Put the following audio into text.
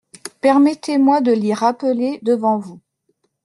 Permettez-moi de l'y rappeler devant vous.